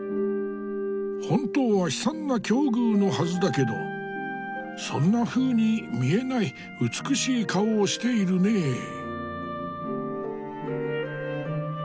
本当は悲惨な境遇のはずだけどそんなふうに見えない美しい顔をしているねえ。